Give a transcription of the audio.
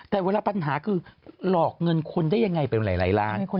แต่เวลาปัญหาคือหลอกเงินคนได้ยังไงไปหลายล้าน